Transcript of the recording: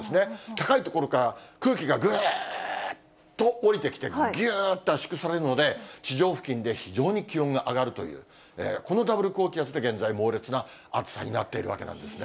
高い所から空気がぐーっと下りてきて、ぎゅーっと圧縮されるので、地上付近で非常に気温が上がるという、このダブル高気圧で、現在、猛烈な暑さになっているわけなんですね。